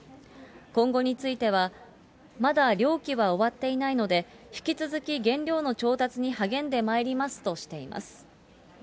今後については、まだ漁期は終わっていないので、引き続き原料の調達に励んでまいりますとしています。